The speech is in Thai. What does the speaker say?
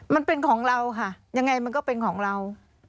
มันเป็นของเราค่ะยังไงมันก็เป็นของเรา